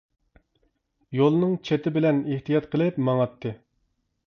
يولنىڭ چېتى بىلەن ئېھتىيات قىلىپ ماڭاتتى.